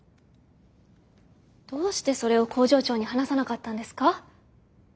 どうしてそれを工場長に話さなかったんですか？